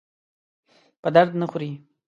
په درد نه خوري.